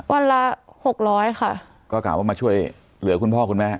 วันละหกร้อยค่ะก็กล่าวว่ามาช่วยเหลือคุณพ่อคุณแม่